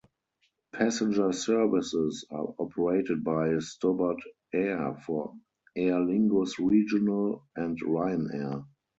Passenger services are operated by Stobart Air for Aer Lingus Regional, and Ryanair.